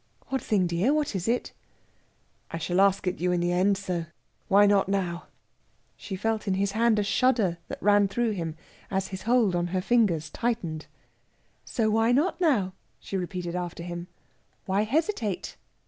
"What thing, dear? What is it?" "I shall ask it you in the end, so why not now?" She felt in his hand a shudder that ran through him, as his hold on her fingers tightened. "So why not now?" she repeated after him. "Why hesitate?"